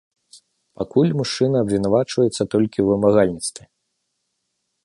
Пакуль мужчына абвінавачваецца толькі ў вымагальніцтве.